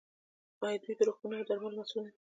آیا دوی د روغتونونو او درملو مسوول نه دي؟